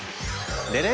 でね！